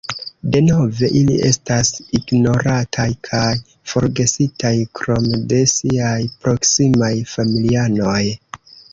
Denove, ili estas ignorataj kaj forgesitaj krom de siaj proksimaj familianoj.